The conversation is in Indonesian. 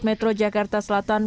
polres metro jakarta selatan